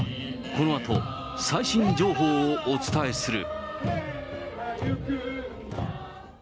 このあと最新情報をお伝えする。